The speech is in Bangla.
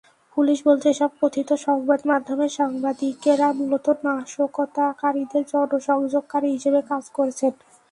পুলিশ বলছে, এসব কথিত সংবাদমাধ্যমের সাংবাদিকেরা মূলত নাশকতাকারীদের জনসংযোগকারী হিসেবে কাজ করছেন।